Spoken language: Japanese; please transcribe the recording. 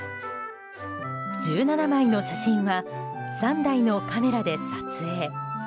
１７枚の写真は３台のカメラで撮影。